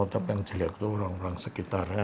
tapi yang jelek itu orang orang sekitarnya